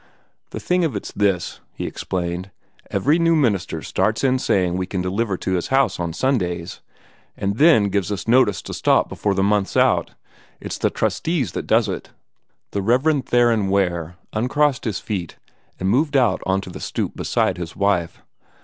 "The thing of it's this," he explained. "Every new minister starts in saying we can deliver to this house on Sundays, an' then gives us notice to stop before the month's out. It's the trustees that does it." The Rev. Theron Ware uncrossed his feet and moved out on to the stoop beside his wife.